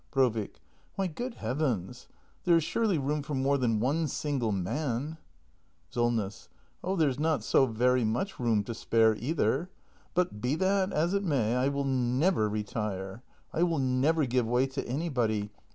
Room ! Brovik. Why, good heavens! there is surely room for more than one single man SOLNESS. Oh, there's not so very much room to spare either. But, be that as it may — I will never retire! I will never give way to anybody